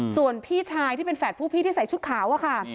ส่วนพี่ชายที่เป็นแฝดผู้พี่ที่ใส่ชุดขาวอะค่ะ